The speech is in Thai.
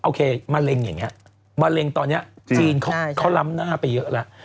โอเคมะเร็งอย่างนี้มะเร็งตอนนี้จีนเขาล้ำหน้าไปเยอะแล้ว